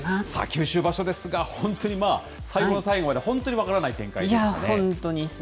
九州場所ですが、本当に最後の最後まで、本当に分からない展開でしたね。